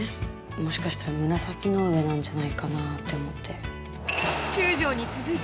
もしかしたら紫の上なんじゃないかなって思って。